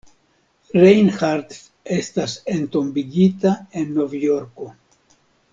Reinhardt estas entombigita en Novjorko.